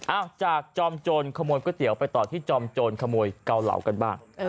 จากจอมโจรขโมยก๋วยเตี๋ยวไปต่อที่จอมโจรขโมยเกาเหลากันบ้าง